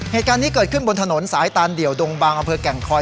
เหตุการณ์นี้เกิดขึ้นบนถนนสายตานเดี่ยวดงบางอำเภอแก่งคอย